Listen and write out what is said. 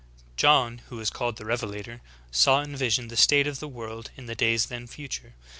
""' 34. John, who is called the Revelator, saw in vision the state of the world in the days then future.